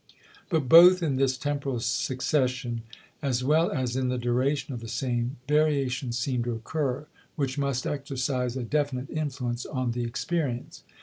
But both in this temporal succession as well as in the duration of the same, variations seem to occur, which must exercise a definite influence on the experience.